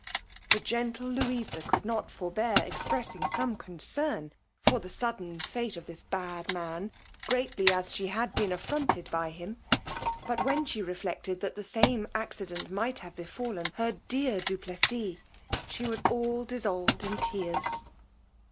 The gentle Louisa could not forbear expressing some concern for the sudden fate of this bad man, greatly as she had been affronted by him; but when she reflected that the same accident might have befallen her dear du Plessis, she was all dissolved in tears.